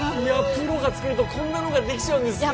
プロが作るとこんなのができちゃうんですね